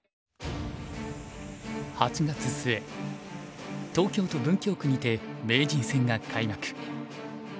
８月末東京都文京区にて名人戦が開幕。